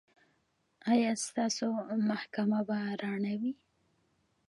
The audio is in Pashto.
ایا ستاسو محکمه به رڼه وي؟